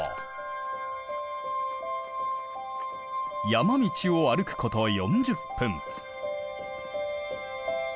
山道を歩くこと４０分。